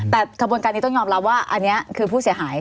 แต่กระบวนการนี้ต้องยอมรับว่าอันนี้คือผู้เสียหาย